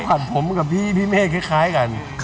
ต่อผ่านผมกับพี่เมดคล้ายกัน